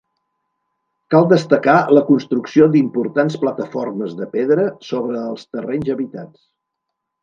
Cal destacar la construcció d'importants plataformes de pedra sobre els terrenys habitats.